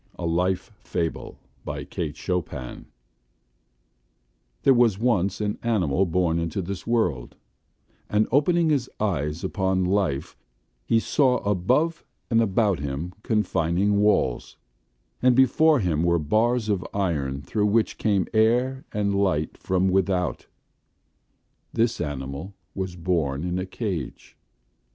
A Life FableKate Chopin There was once an animal born into this world, and opening his eyes upon Life, he saw above and about him confining walls, and before him were bars of iron through which came air and light from without; this animal was born in a cage.